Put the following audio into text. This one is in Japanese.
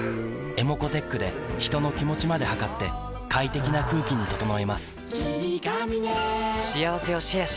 ｅｍｏｃｏーｔｅｃｈで人の気持ちまで測って快適な空気に整えます